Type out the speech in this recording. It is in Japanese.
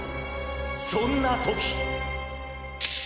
そんな時！